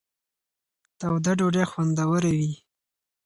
توده ډوډۍ خوندوره وي.